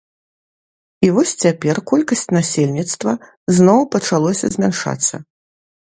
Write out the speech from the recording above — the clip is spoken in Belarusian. І вось цяпер колькасць насельніцтва зноў пачалося змяншацца.